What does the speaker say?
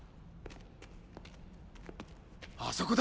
あそこだ！